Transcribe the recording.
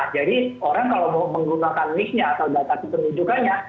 jadi orang kalau mau menggunakan mix nya atau data kependudukannya